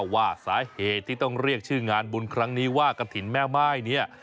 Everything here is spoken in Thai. ว่าสาเหตุที่ต้องเรียกชื่องานบุญครั้งนี้ว่ากระถิ่นแม่ม่ายเนี่ย